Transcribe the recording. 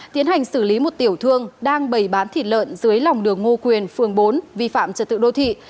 tiến hành xử lý một tiểu thương đang bày bán thịt lợn dưới lòng đường ngô quyền phường bốn vi phạm trật tự đô thị